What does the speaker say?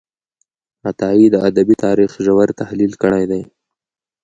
عطايي د ادبي تاریخ ژور تحلیل کړی دی.